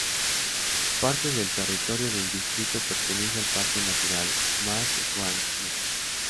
Parte del territorio del distrito pertenece al parque natural "Maas-Schwalm-Nette".